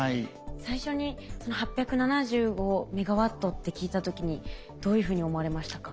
最初にその８７５メガワットって聞いた時にどういうふうに思われましたか？